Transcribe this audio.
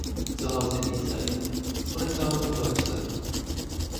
Zu Hause in Israel oder zu Hause in Deutschland?